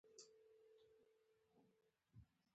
د کابل په چهار اسیاب کې څه شی شته؟